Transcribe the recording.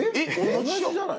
同じじゃない？